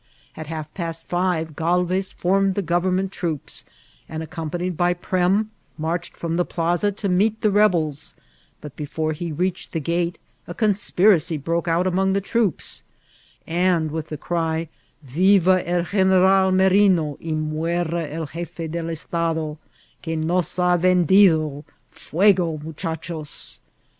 At half past five Oalvex formed the gov«> emment trcx>p8, and, accompanied by Prem, mardied from the plaza to meet the rebels ; but before he reach* ed the gate a conspiracy broke out among the troops, and with the cry '^ Viva el General Merino, y mnera e| Oefe del Estado, qui nos ha vendido— foego, tnucha^ ehos